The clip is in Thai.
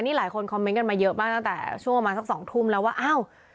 นี่หลายคนคอมเมนต์กันมาเยอะมากตั้งแต่ช่วงประมาณสักสองทุ่มแล้วว่าอ้าว